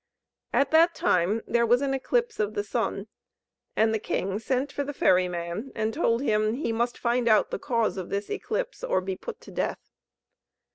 At that time there was an eclipse of the sun; and the king sent for the ferry man, and told him he must find out the cause of this eclipse, or be put to death.